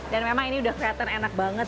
dan memang ini udah kelihatan enak banget